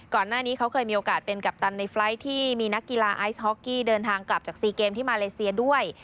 ก่อนหน้านี้เขาเคยมีโอกาสเป็นกัปตันในไฟล์ทที่มีนักกีฬาไอซ์ฮอกกี้เดินทางกลับจากซีเกมที่มาเลเซียด้วย